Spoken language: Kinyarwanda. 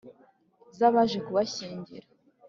z’abaje kubashyingira